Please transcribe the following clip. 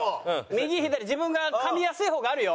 右左自分が噛みやすい方があるよ。